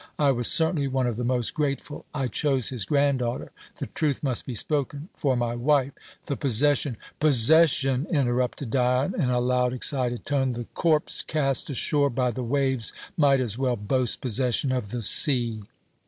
I was certainly one of the most grateful I chose his granddaughter the truth must be spoken for my wife. The possession " "Possession!" interrupted Dion in a loud, excited tone. "The corpse cast ashore by the waves might as well boast possession of the sea!"